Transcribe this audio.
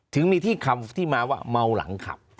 ถึงมีที่คำที่มาว่าเมาหลังขับ